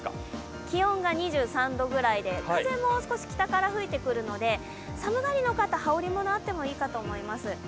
気温が２３度ぐらいで風も少し北から吹いてくるので寒がりの肩、羽織り物あってもいいかと思います。